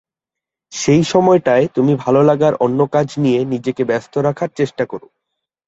সেই সময়টায় তুমি ভালোলাগার অন্য কাজ নিয়ে নিজেকে ব্যস্ত রাখার চেষ্টা করো।